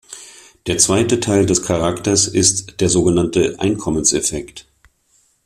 Der zweite Teil des Charakters ist der sogenannte Einkommenseffekt.